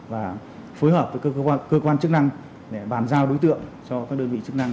và phối hợp với cơ quan chức năng để bàn giao đối tượng cho các đơn vị chức năng